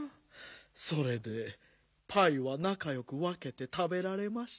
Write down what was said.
それでパイはなかよくわけてたべられましたか？